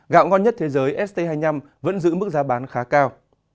gạo ngon nhất thế giới st hai mươi năm vẫn giữ mức giá bán khá cao